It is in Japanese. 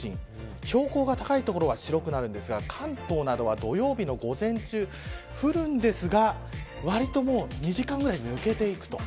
標高が高い所は白くなりますが関東などは土曜日の午前中、降るんですがわりと２時間ぐらいで抜けていく。